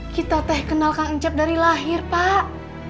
kita teh kenal kang incep dari lahir pak